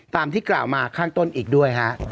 ตามที่กล่าวมาข้างต้นอีกด้วยฮะ